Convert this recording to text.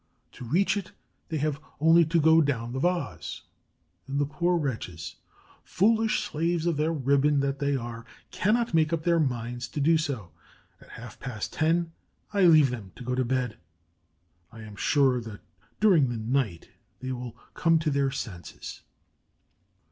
To reach it they have only to go down the vase; and the poor wretches, foolish slaves of their ribbon that they are, cannot make up their minds to do so. At half past ten I leave them to go to bed; I am sure that during the night they will come to their senses.